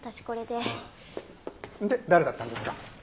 で誰だったんですか？